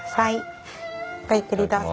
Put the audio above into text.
ごゆっくりどうぞ。